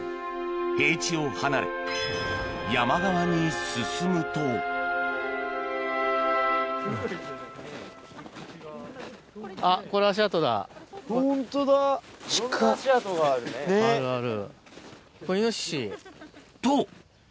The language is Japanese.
平地を離れ山側に進むと・ホントだ・あるある。